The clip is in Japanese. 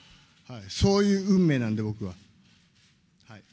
そういう運命なんで、僕は。